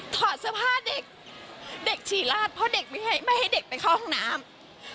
ถอดเสื้อผ้าเด็กเด็กฉี่ราดเพราะเด็กไม่ให้เด็กไปเข้าห้องน้ำ